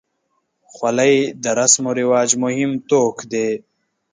خولۍ د رسم و رواج مهم توک دی.